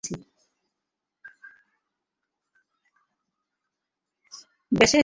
ব্যাশের সাথে দীর্ঘ অনেকগুলো বছর কাজ করার পর অবশেষে সেই বন্ধুর দেখা আমি পেয়েছি!